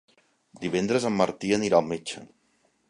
Divendres en Martí anirà al metge.